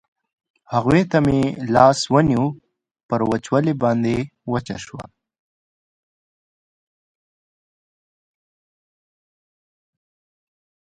هغوی ته مې لاس ونیو، پر وچولې باندې وچه شوې.